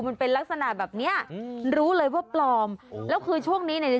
มันเป็นลักษณะแบบเนี้ยอืมรู้เลยว่าปลอมแล้วคือช่วงนี้เนี่ย